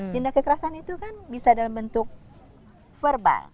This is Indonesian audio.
tindak kekerasan itu kan bisa dalam bentuk verbal